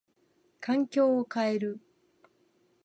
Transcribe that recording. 環境を変える。